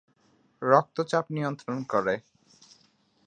রক্তচাপ নিয়ন্ত্রণ করে।